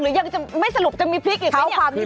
หรือไม่สรุปจะมีพลิกหรือยัง